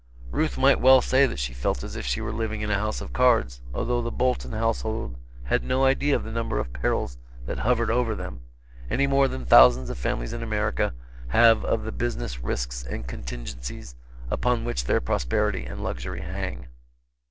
Ruth might well say that she felt as if she were living in a house of cards, although the Bolton household had no idea of the number of perils that hovered over them, any more than thousands of families in America have of the business risks and contingences upon which their prosperity and luxury hang.